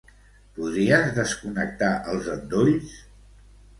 Podries desconnectar els endolls?